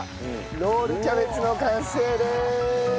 ロールキャベツの完成でーす！